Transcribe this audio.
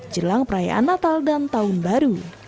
jelang perayaan natal dan tahun baru